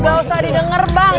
ga usah didenger bang